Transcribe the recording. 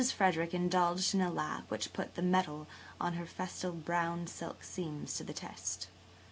Frederick indulged in a laugh which put the mettle of her festal brown silk seams to the test.